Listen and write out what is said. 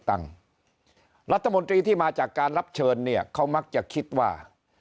รัฐมนตรีที่มาจากการรับเชิญเนี่ยเขามักจะคิดว่า